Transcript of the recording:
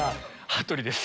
羽鳥です。